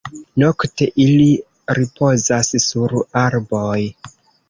Nokte ili ripozas sur arboj.